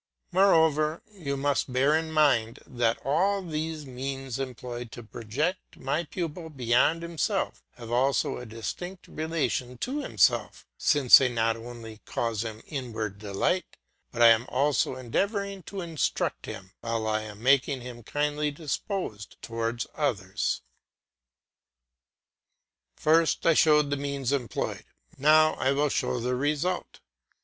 Moreover, you must bear in mind that all these means employed to project my pupil beyond himself have also a distinct relation to himself; since they not only cause him inward delight, but I am also endeavouring to instruct him, while I am making him kindly disposed towards others. First I showed the means employed, now I will show the result.